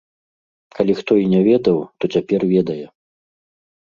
Калі хто і не ведаў, то цяпер ведае!